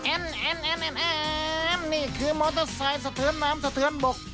แอนนี่คือมอเตอร์ไซค์สะเทินน้ำสะเทือนบก